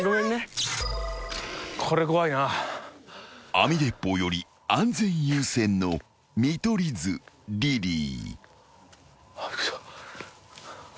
［網鉄砲より安全優先の見取り図リリー］いました？